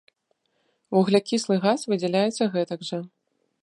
Вуглякіслы газ выдзяляецца гэтак жа.